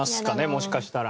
もしかしたら。